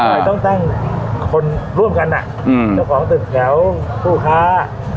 เราดันต้องตั้งคนร่วมกันเนี้ยอืมเจ้าของติดแสว่าผู้ค้า